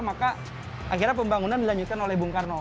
maka akhirnya pembangunan dilanjutkan oleh bung karno